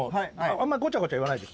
あんまりごちゃごちゃ言わないで。